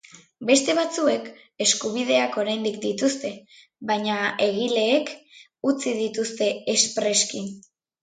Beste batzuek eskubideak oraindik dituzte, baina egileek utzi dituzte espreski.